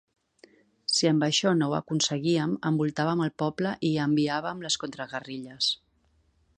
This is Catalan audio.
Si amb això no ho aconseguíem, envoltàvem el poble i hi enviàvem les contraguerrilles.